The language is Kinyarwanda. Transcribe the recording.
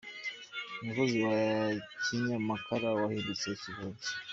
Umusozi wa Kinyamakara wahindutse Kibeho nshya